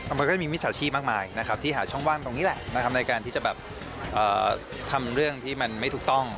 มันก็จะมีมิจฉาชีพมากมายนะครับที่หาช่องว่างตรงนี้แหละนะครับในการที่จะแบบทำเรื่องที่มันไม่ถูกต้อง